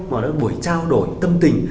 mà là buổi trao đổi tâm tình